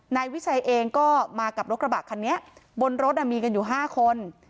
นายวิชัยเองก็มากับรถกระบะคันนี้บนรถมีกันอยู่๕คน